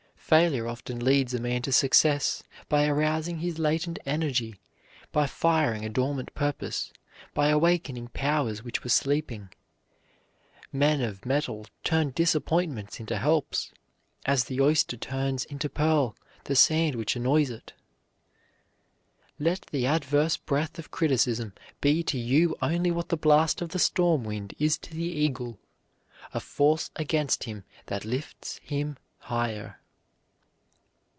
Failure often leads a man to success by arousing his latent energy, by firing a dormant purpose, by awakening powers which were sleeping. Men of mettle turn disappointments into helps as the oyster turns into pearl the sand which annoys it. "Let the adverse breath of criticism be to you only what the blast of the storm wind is to the eagle, a force against him that lifts him higher."